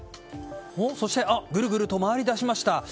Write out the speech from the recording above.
そしてグルグルと回り出しました。